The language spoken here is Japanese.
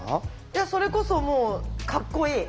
いやそれこそもうかっこいい。